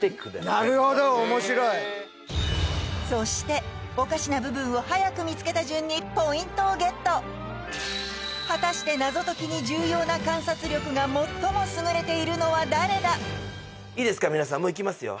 なるほど面白いそしておかしな部分をはやく見つけた順にポイントをゲット果たして謎解きに重要な観察力が最も優れているのは誰だいいですか皆さんもういきますよ